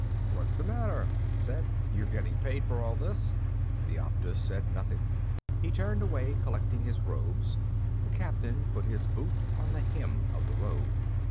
"What's the matter?" he said. "You're getting paid for all this." The Optus said nothing. He turned away, collecting his robes. The Captain put his boot on the hem of the robe.